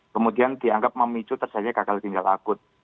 kemudian dianggap memicu tersedia kekal ginjal akut